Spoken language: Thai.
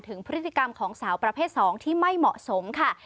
ถึงพฤติกรรมของสาวประเภท๒ที่ไม่เหมาะสมค่ะ